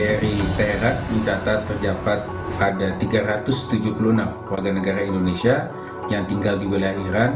bri teheran mencatat terdapat ada tiga ratus tujuh puluh enam warga negara indonesia yang tinggal di wilayah iran